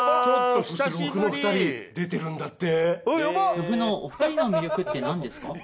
そしてＲｏｆｕの２人出てるんだって！